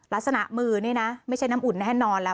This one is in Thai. ลักษณะมือนี่นะไม่ใช่น้ำอุ่นแน่นอนแล้ว